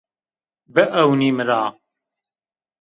Biewnî mi ra!